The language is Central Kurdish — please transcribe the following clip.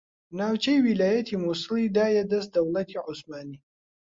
ناوچەی ویلایەتی موسڵی دایە دەست دەوڵەتی عوسمانی